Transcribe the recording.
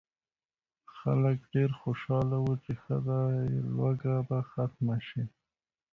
خلک ډېر خوشاله وو چې ښه دی لوږه به ختمه شي.